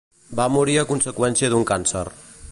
Va morir a conseqüència d'un càncer.